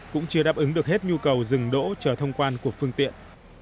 cũng chưa đáp ứng được hết nhu cầu dừng đỗ chờ thông quan của phương tiện